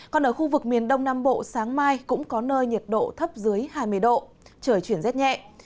còn ở khu vực miền đông nam bộ sáng mai cũng có nơi nhiệt độ thấp dưới hai mươi độ trời chuyển rét nhẹ